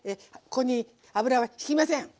ここに油はひきません。